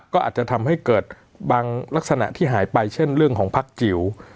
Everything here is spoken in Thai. ก็อาจจะทำให้เกิดบางลักษณะที่หายไปเช่นเรื่องของพักจิ๋ว